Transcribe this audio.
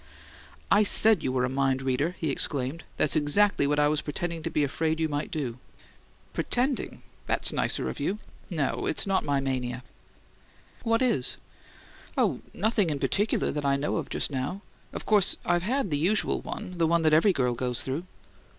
"I SAID you were a mind reader!" he exclaimed. "That's exactly what I was pretending to be afraid you might do." "'Pretending?' That's nicer of you. No; it's not my mania." "What is?" "Oh, nothing in particular that I know of just now. Of course I've had the usual one: the one that every girl goes through."